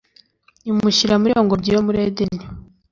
imushyira muri iyo ngobyi yo muri Edeni